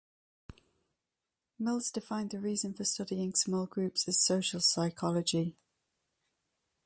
Mills defined the reason for studying small groups as social psychology.